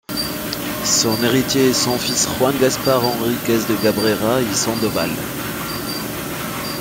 Son héritier est son fils Juan Gaspar Enríquez de Cabrera y Sandoval.